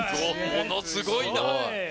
ものすごいな。